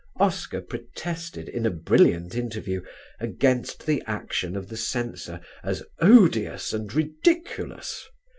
Oscar protested in a brilliant interview against the action of the Censor as "odious and ridiculous."